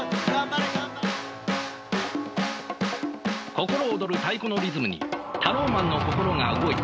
心躍る太鼓のリズムにタローマンの心が動いた。